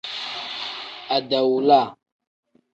Adawula.